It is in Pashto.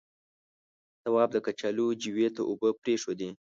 تواب د کچالو جويې ته اوبه پرېښودې.